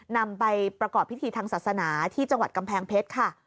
นำไปประกอบพิธีทางศาสนาที่จังหวัดกำแพงเพชรค่ะ